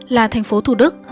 là tp thủ đức